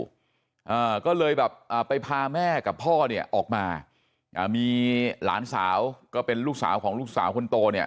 อ่าก็เลยแบบอ่าไปพาแม่กับพ่อเนี่ยออกมาอ่ามีหลานสาวก็เป็นลูกสาวของลูกสาวคนโตเนี่ย